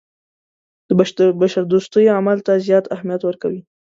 د بشردوستۍ عمل ته زیات اهمیت ورکوي.